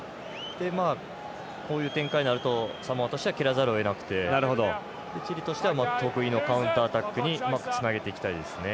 こういう展開になるとサモアとしては切らざるをえなくてチリとしては得意のカウンタータックルにうまくつなげていきたいですね。